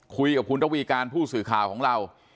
คุยกับคุณระวีการผู้สื่อข่าวของเรา